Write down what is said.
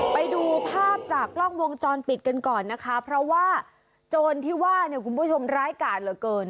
ไปดูภาพจากกล้องวงจรปิดกันก่อนนะคะเพราะว่าโจรที่ว่าเนี่ยคุณผู้ชมร้ายกาดเหลือเกิน